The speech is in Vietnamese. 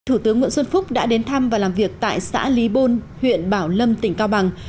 thủ tướng nguyễn xuân phúc đã đến thăm và làm việc tại xã lý bôn huyện bảo lâm tỉnh cao bằng